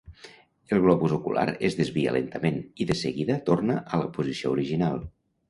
El globus ocular es desvia lentament, i de seguida torna a la posició original.